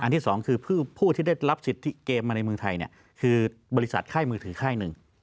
ที่สองคือผู้ที่ได้รับสิทธิเกมมาในเมืองไทยคือบริษัทค่ายมือถือค่ายหนึ่ง